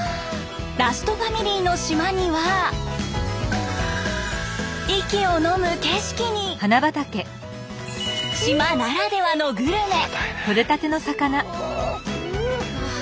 ラストファミリーの島には息をのむ景色に島ならではのグルメ。